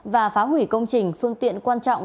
và phá hủy công trình phương tiện quan trọng